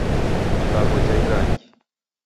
Ilagho ja irangi.